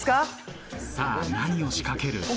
さあ何を仕掛ける？